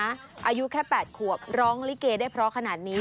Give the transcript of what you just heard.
อายุแค่๘ขวบร้องลิเกได้เพราะขนาดนี้